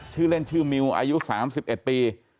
ชื่อเล่นชื่อมิวอายุ๓๑ปี